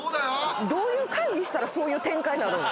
どういう会議したらそういう展開になるん？